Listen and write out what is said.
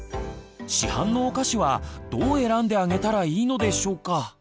市販のお菓子はどう選んであげたらいいのでしょうか。